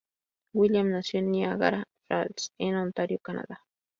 William nació en Niagara Falls, en Ontario, Canadá.